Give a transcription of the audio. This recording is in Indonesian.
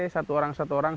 satu orang satu orang